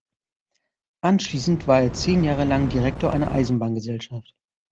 Anschliessend war er zehn Jahre lang Direktor einer Eisenbahngesellschaft.